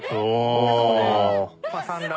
そこで産卵。